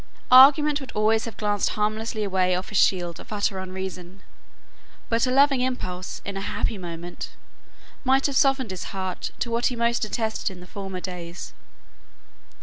Argument would always have glanced harmless away off his shield of utter unreason; but a loving impulse, in a happy moment, might have softened his heart to what he most detested in the former days.